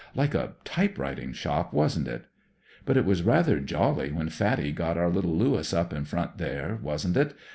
Like a typewriting shop, wasn't it ?" "But it was rather jolly when Fatty got our httle Lewis up in front there, wasn't it?